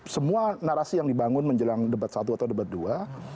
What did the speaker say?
semua narasi yang dibangun menjelang debat satu atau debat dua